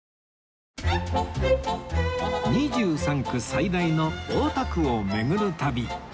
２３区最大の大田区を巡る旅